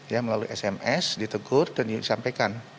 ya melalui sms ditegur dan disampaikan